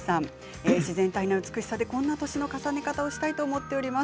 自然体の美しさでこんな年の重ね方をしたいと思っています。